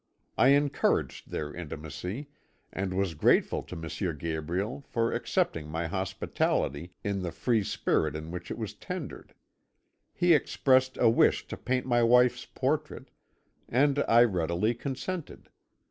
I encouraged their intimacy, and was grateful to M. Gabriel for accepting my hospitality in the free spirit in which it was tendered. He expressed a wish to paint my wife's portrait, and I readily consented.